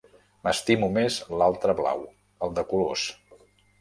M'estimo més l'altre blau, el de colors.